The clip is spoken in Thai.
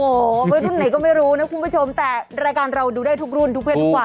โอ้โหรุ่นไหนก็ไม่รู้นะคุณผู้ชมแต่รายการเราดูได้ทุกรุ่นทุกเพศทุกวัย